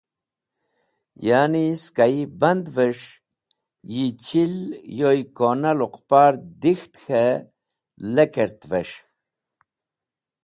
Ya’ni skẽ yi band̃’ves̃h yi chil yoy kona luqpar dik̃ht k̃he lekertves̃h.